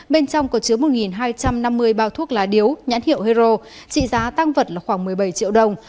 bên trong có chứa một hai trăm năm mươi bao thuốc lá điếu nhãn hiệu hero trị giá tăng vật là khoảng một mươi bảy triệu đồng